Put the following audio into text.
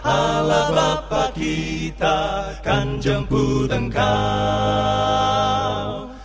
allah bapak kita akan jemput engkau